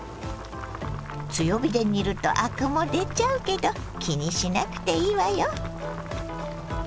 強火で煮るとアクも出ちゃうけど気にしなくていいわよ。